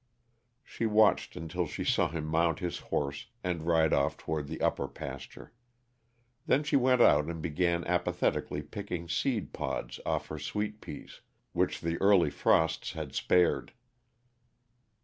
She watched until she saw him mount his horse and ride off toward the upper pasture. Then she went out and began apathetically picking seed pods off her sweet peas, which the early frosts had spared.